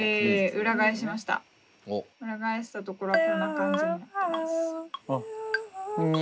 裏返したところはこんな感じになってます。